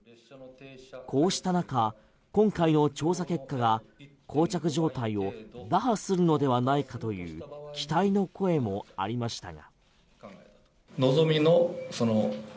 こうした中、今回の調査結果が膠着状態を打破するのではないかという期待の声もありましたが。